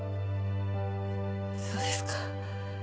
そうですか。